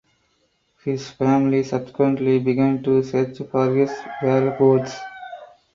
His family subsequently began to search for his whereabouts.